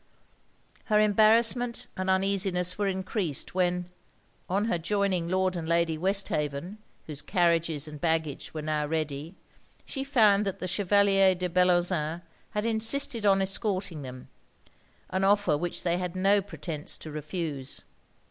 Her embarrassment and uneasiness were encreased, when, on her joining Lord and Lady Westhaven, whose carriages and baggage were now ready, she found that the Chevalier de Bellozane had insisted on escorting them; an offer which they had no pretence to refuse.